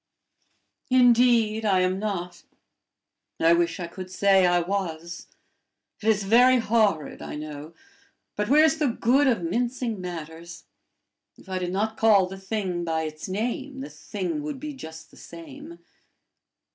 "Indeed, I am not. I wish I could say I was! It is very horrid, I know, but where's the good of mincing matters? If I did not call the thing by its name, the thing would be just the same.